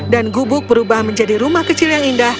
dan gubuk berubah menjadi rumah kecil yang indah